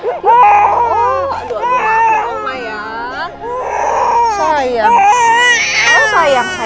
kasih aku tadi maz efficacy trial mengesere